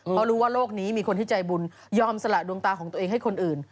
เพราะรู้ว่าโลกนี้มีคนที่ใจบุญยอมสละดวงตาของตัวเองให้คนอื่น